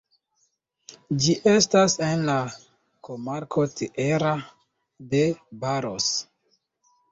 Ĝi estas en la komarko Tierra de Barros.